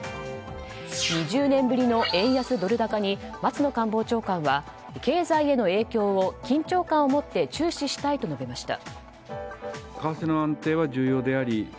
２０年ぶりの円安ドル高に松野官房長官は経済への影響を、緊張感を持って注視したいと述べました。